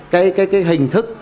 cái hình thức